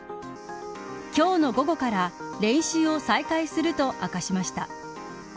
今日の午後から練習を再開すると明かしました。